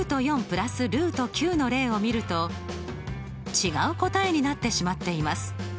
＋の例を見ると違う答えになってしまっています。